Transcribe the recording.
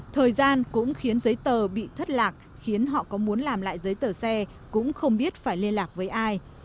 thời gian cũng khiến giấy tờ bị thất lạc khiến họ có muốn làm lại giấy tờ xe cũng không biết phải liên lạc với ai